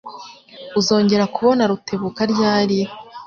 Uzongera kubona Rutebuka ryari?